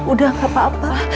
udah nggak apa apa